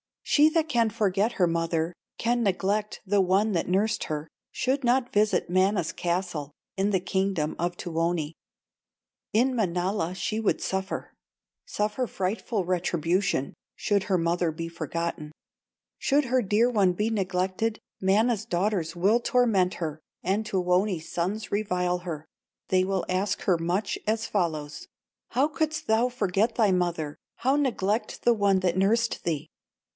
She that can forget her mother, Can neglect the one that nursed her, Should not visit Mana's castle, In the kingdom of Tuoni; In Manala she would suffer, Suffer frightful retribution, Should her mother be forgotten; Should her dear one be neglected, Mana's daughters will torment her, And Tuoni's sons revile her, They will ask her much as follows: 'How couldst thou forget thy mother, How neglect the one that nursed thee?